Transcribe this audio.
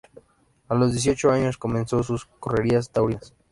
A los dieciocho años comenzó sus correrías taurinas.